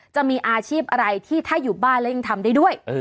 จะมีอาชีพอะไรที่ถ้าอยู่บ้านแล้วยังทำได้ด้วย